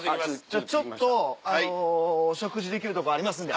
ちょっとあの食事できるところありますんで。